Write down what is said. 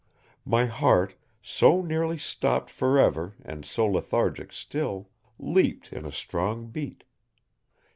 My heart, so nearly stopped forever and so lethargic still, leaped in a strong beat.